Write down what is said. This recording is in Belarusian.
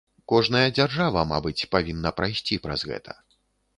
Кожная дзяржава, мабыць, павінна прайсці праз гэта.